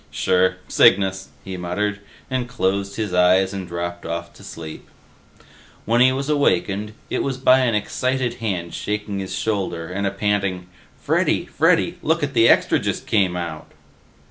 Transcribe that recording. "Sure, Cygnus," he muttered, and closed his eyes and dropped off to sleep. When he was awakened, it was by an excited hand shaking his shoulder and a panting, "Freddy! Freddy! Lookit the Extra just came out!"